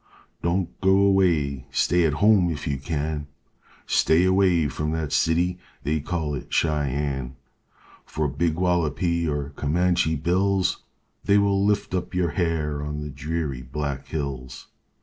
Don't go away, stay at home if you can, Stay away from that city, they call it Cheyenne, For big Walipe or Comanche Bills They will lift up your hair on the dreary Black Hills.